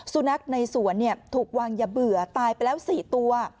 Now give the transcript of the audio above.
สุนัขในสวนถูกวางยาเบื่อตายไปแล้ว๔ตัว